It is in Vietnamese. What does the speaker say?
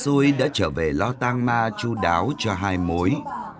xôi đã trở về lo tang ma chú đáo cho hai mối